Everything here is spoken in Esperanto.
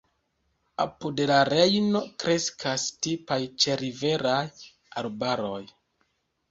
Apud la Rejno kreskas tipaj ĉeriveraj arbaroj.